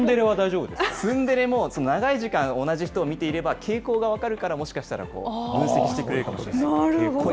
ツンデレも、長い間、同じ人を見ていれば傾向が分かるからもしかしたら分析してくれるかもしなるほど。